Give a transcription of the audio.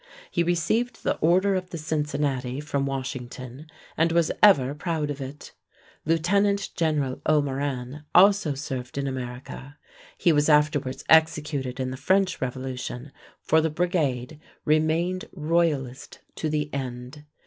He received the order of the Cincinnati from Washington and was ever proud of it. Lieutenant General O'Moran also served in America. He was afterwards executed in the French Revolution, for the "Brigade" remained royalist to the end.